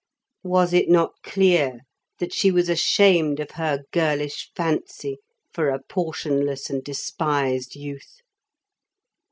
Was it not clear that she was ashamed of her girlish fancy for a portionless and despised youth?